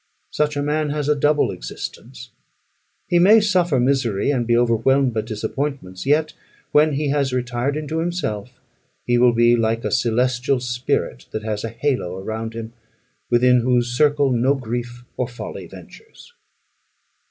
Such a man has a double existence: he may suffer misery, and be overwhelmed by disappointments; yet, when he has retired into himself, he will be like a celestial spirit, that has a halo around him, within whose circle no grief or folly ventures.